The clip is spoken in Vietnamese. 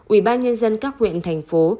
ubnd các huyện thành phố